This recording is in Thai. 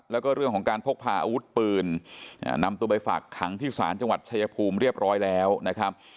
แล้วก็เรื่องของการพกพาอาวุธปืนนำตัวไปฝากขังที่ศาลจังหวัดชายภูมิเรียบร้อยแล้วนะครับ